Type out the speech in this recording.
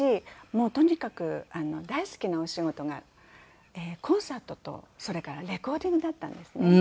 もうとにかく大好きなお仕事がコンサートとそれからレコーディングだったんですね。